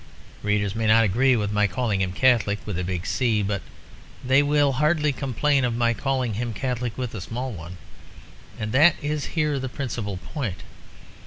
Readers may not agree with my calling him Catholic with a big C; but they will hardly complain of my calling him catholic with a small one. And that is here the principal point.